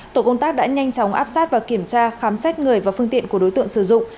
tổ công tác đã nhanh chóng áp sát và kiểm tra khám xét người và phương tiện của đối tượng sử dụng